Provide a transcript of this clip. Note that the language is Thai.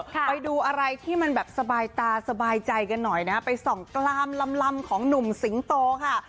ไปดูอะไรที่มันแบบสบายตาสบายใจกันหน่อยนะไปส่องกลามลำของหนุ่มสิงโตค่ะ